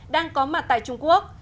đang có mặt tại trung quốc